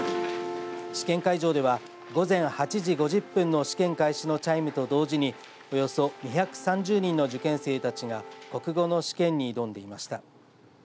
試験会場では午前８時５０分の試験開始のチャイムと同時におよそ２３０人の受験生たちが国語の試験に挑んでいました。